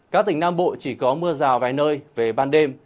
các tỉnh nam bộ chỉ có mưa rào vài nơi về ban đêm